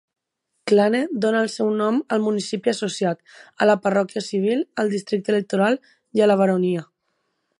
Clane dóna el seu nom al municipi associat, a la parròquia civil, al districte electoral i a la baronia.